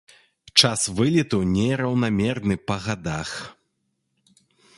Час вылету нераўнамерны па гадах.